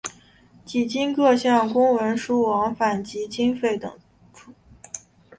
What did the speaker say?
几经各项公文书往返及经费筹凑。